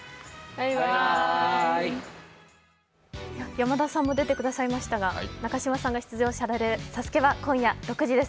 山田さんも出てくださいましたが、中島さんが出場される「ＳＡＳＵＫＥ」は今夜６時です。